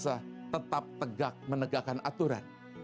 kita tetap tegak menegakkan aturan